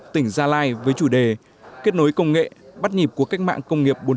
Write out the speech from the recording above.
tỉnh gia lai với chủ đề kết nối công nghệ bắt nhịp của cách mạng công nghiệp bốn